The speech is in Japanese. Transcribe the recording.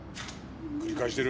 繰り返してる。